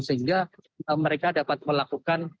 sehingga mereka dapat melakukan